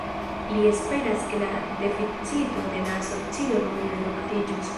Li esperas ke la deficito de la asocio nun reduktiĝos.